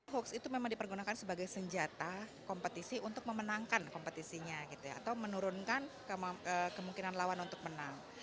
hoax itu memang dipergunakan sebagai senjata kompetisi untuk memenangkan kompetisinya gitu ya atau menurunkan kemungkinan lawan untuk menang